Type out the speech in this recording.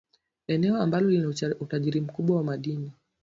eneo ambalo lina utajiri mkubwa wa madini